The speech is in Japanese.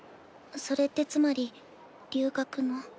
それってつまり留学の？